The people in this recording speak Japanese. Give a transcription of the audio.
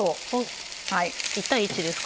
１対１ですか。